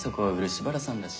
漆原さんだし。